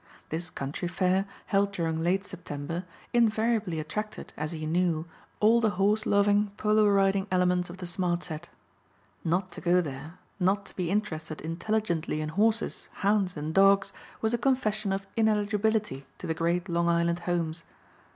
This country fair, held during late September, invariably attracted, as he knew, all the horse loving polo riding elements of the smart set. Not to go there, not to be interested intelligently in horses, hounds and dogs was a confession of ineligibility to the great Long Island homes.